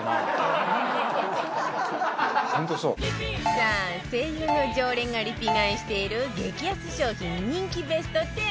さあ ＳＥＩＹＵ の常連がリピ買いしている激安商品人気ベスト１０